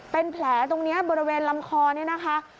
เป็นแผลตรงนี้บริเวณลำคอนี่นะคะ